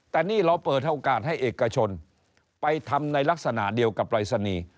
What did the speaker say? แต่นี่เราเปิดโอกาสให้เอกชนไปทำในลักษณะเดียวกับปรายศนีย์